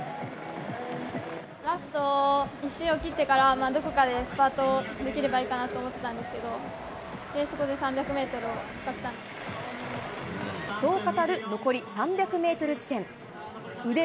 ラスト１周を切ってから、どこかでスパートをできればいいかなと思っていたんですけれども、そう語る残り３００メートル地点。